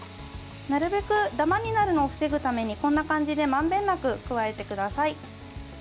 なるべくダマになるのを防ぐためにこんな感じでまんべんなく加えてください。